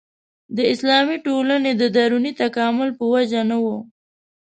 د اسلامي ټولنو د دروني تکامل په وجه نه وه.